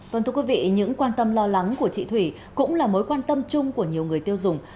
vâng thưa quý vị những quan tâm lo lắng của chị thủy cũng là mối quan tâm chung của nhiều người tiêu dùng